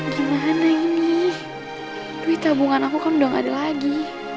gimana ini duit tabungan aku kan udah gak ada lagi